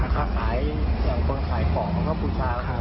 ค่าขายอย่างต้องขายของของพ่อผู้ชาย